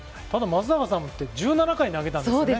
松坂さんって１７回投げたんですよね。